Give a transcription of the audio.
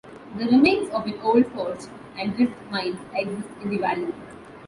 The remains of an old forge and drift mines exist in the valley.